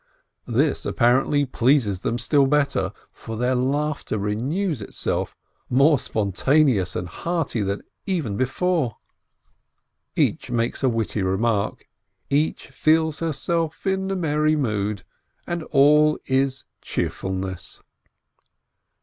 This apparently pleases them still better, for their laughter renews itself, more spon taneous and hearty even than before. Each makes a witty remark, each feels herself in merry mood, and all is cheerfulness.